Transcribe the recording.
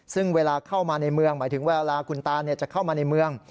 ซึ่งเวลาเข้ามาในเมืองหมายถึงเวลาคุณตาจะเข้ามาในเมือง